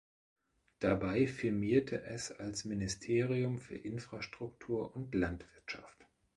Dabei firmierte es als "Ministerium für Infrastruktur und Landwirtschaft".